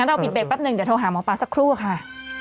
เราปิดเบรกแป๊บหนึ่งเดี๋ยวโทรหาหมอปลาสักครู่ค่ะ